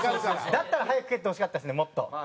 だったら早く蹴ってほしかったですねもっと。